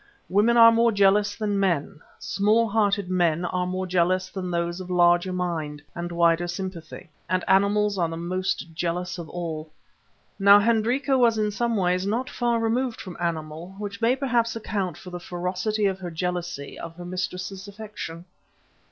Women are more jealous than men, small hearted men are more jealous than those of larger mind and wider sympathy, and animals are the most jealous of all. Now Hendrika was in some ways not far removed from animal, which may perhaps account for the ferocity of her jealousy of her mistress's affection.